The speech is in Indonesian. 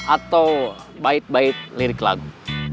atau bait bait lirik lagu